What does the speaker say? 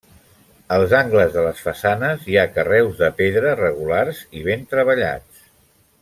Als angles de les façanes hi ha carreus de pedra regulars i ben treballats.